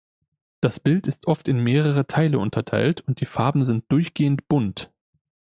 Das Bild ist oft in mehrere Teile unterteilt und die Farben sind durchgehend Bunt.